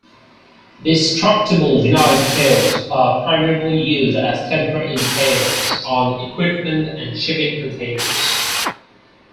Destructible vinyl decals are primarily used as tamper indicators on equipment and shipping containers.